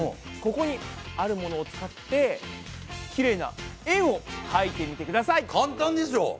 ここにあるものを使ってきれいな円をかいてみてください。